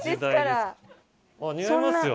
似合いますよ。